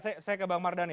baik saya ke pak mardhani